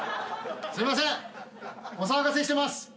すいませんお騒がせしてます。